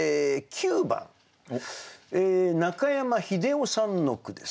９番中山英夫さんの句です。